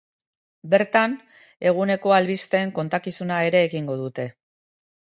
Bertan, eguneko albisteen kontakizuna ere egingo dute.